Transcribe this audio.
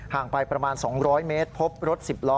ห่างไปประมาณ๒๐๐เมตรพบรถสิบล้อ